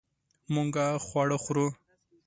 مونږ خواړه خورو